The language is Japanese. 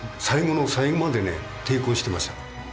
最後の最後まで抵抗してました。